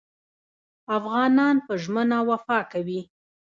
افغانان په ژمنه وفا کوي.